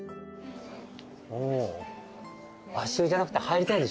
足湯じゃなくて入りたいでしょ。